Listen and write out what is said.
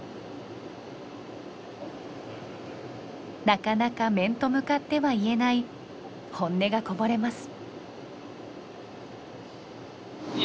なかなか面と向かっては言えない本音がこぼれます。